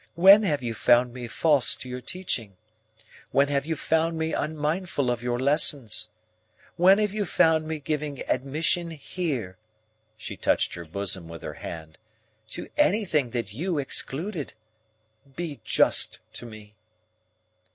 When have you found me false to your teaching? When have you found me unmindful of your lessons? When have you found me giving admission here," she touched her bosom with her hand, "to anything that you excluded? Be just to me."